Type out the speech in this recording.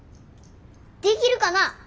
できるかな？